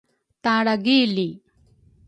Talragi li